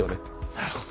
なるほど。